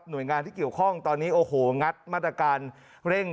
โดยงานที่เกี่ยวข้องตอนนี้โอ้โหงัดมาตรการเร่ง